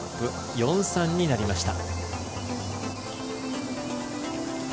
４−３になりました。